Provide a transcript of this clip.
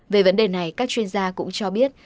về vấn đề này các chuyên gia cũng cho biết